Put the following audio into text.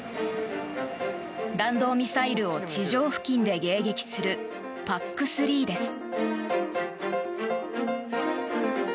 弾道ミサイルを地上付近で迎撃するＰＡＣ３です。